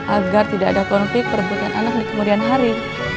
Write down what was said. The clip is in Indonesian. agar tidak ada konflik perebutan anak di kemudian hari